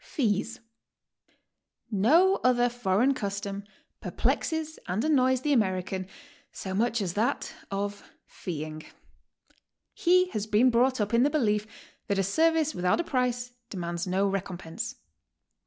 FEES. No other foreign custom perplexes arid annoys t!he American so much as that of feeing. He has been brought up in the belief that a service without a price demands no recom pense.